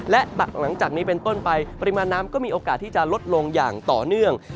และหลังจากนี้เป็นต้นไปปริมาณน้ำก็มีโอกาสที่จะลดลงอย่างต่อเนื่อง